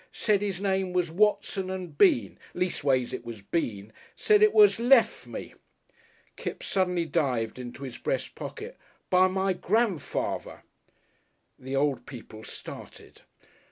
Said 'is name was Watson and Bean leastways 'e was Bean. Said it was lef' me " Kipps suddenly dived into his breast pocket. "By my Grandfather " The old people started.